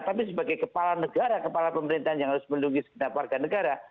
tapi sebagai kepala negara kepala pemerintahan yang harus melindungi segenap warga negara